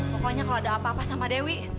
pokoknya kalau ada apa apa sama dewi